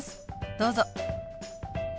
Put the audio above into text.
どうぞ。